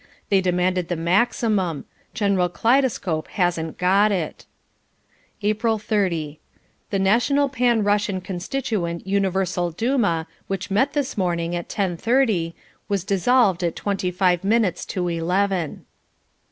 They demand the Maximum. General Kaleidescope hasn't got it. April 30. The National Pan Russian Constituent Universal Duma which met this morning at ten thirty, was dissolved at twenty five minutes to eleven.